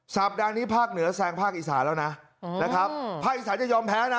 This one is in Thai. สัปดาห์นี้ภาคเหนือแซงภาคอีสานแล้วนะนะครับภาคอีสานจะยอมแพ้นะ